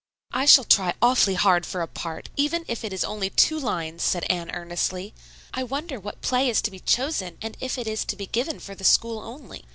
"I shall try awfully hard for a part, even if it is only two lines," said Anne earnestly. "I wonder what play is to be chosen, and if it is to be given for the school only?"